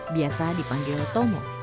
biasa dipanggil tomo